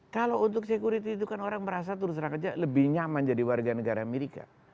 kalau untuk security itu kan orang merasa terus terang aja lebih nyaman jadi warga negara amerika